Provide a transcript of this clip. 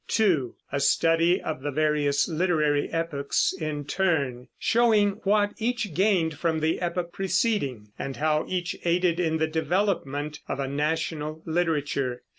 (2) A study of the various literary epochs in turn, showing what each gained from the epoch preceding, and how each aided in the development of a national literature.